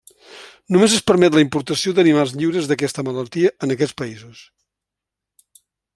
Només es permet la importació d’animals lliures d’aquesta malaltia en aquests països.